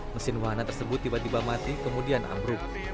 mesin wahana tersebut tiba tiba mati kemudian ambruk